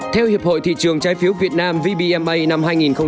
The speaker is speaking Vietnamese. theo hiệp hội thị trường trái phiếu việt nam vbma năm hai nghìn hai mươi hai